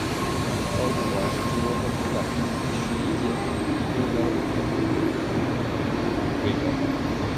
张玉华是中国共产党第十一届中央委员会委员。